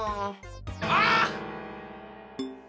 あっ！